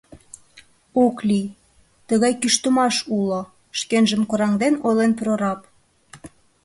— Ок лий, тыгай кӱштымаш уло, — шкенжым кораҥден ойлен прораб.